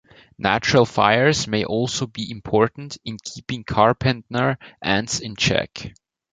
Natural fires may also be important in keeping carpenter ants in check.